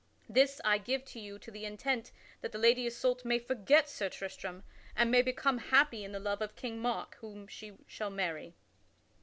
This I give you to the intent that the Lady Isoult may forget Sir Tristram, and may become happy in the love of King Mark whom she shall marry."